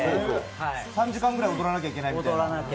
３時間ぐらい踊らなきゃいけないみたいな。